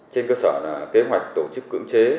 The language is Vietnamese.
trên cơ sở là kế hoạch tổ chức cưỡng chế